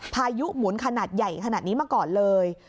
พายุหมุนขนาดใหญ่ขนาดนี้มาก่อนเลย